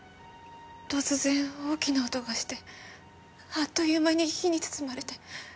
突然大きな音がしてあっという間に火に包まれて。